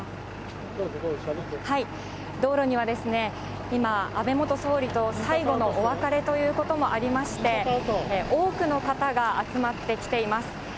道路には今、安倍元総理と最後のお別れということもありまして、多くの方が集まってきています。